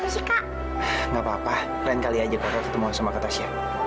sampai ketemu sama ke tasya